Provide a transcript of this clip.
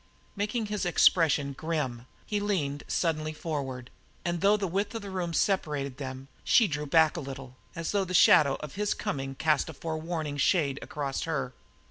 Making his expression grim, he leaned suddenly forward, and though the width of the room separated them, she drew back a little, as though the shadow of his coming cast a forewarning shade across her.